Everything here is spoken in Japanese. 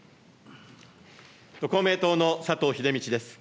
公明党の佐藤英道です。